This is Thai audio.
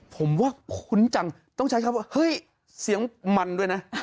ผมว่าคุ้นจังต้องใช้คำว่าเฮ้ยเสียงมันด้วยนะ